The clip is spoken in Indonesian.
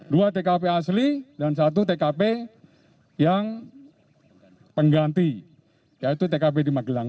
dua tkp asli dan satu tkp yang pengganti yaitu tkp di magelang